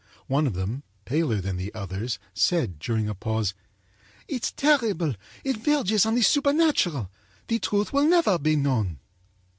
One of them, paler than the others, said during a pause: âIt's terrible. It verges on the supernatural. The truth will never be known.